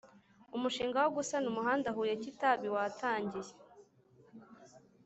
Umushinga wo gusana umuhanda Huye , Kitabi watangiye.